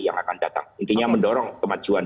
yang akan datang intinya mendorong kemajuan